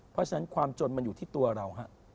เพราะฉะนั้นความจนมันอยู่ที่ตัวเรา